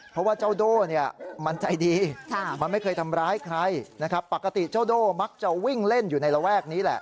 เพราะว่าเจ้าโดมันใจดี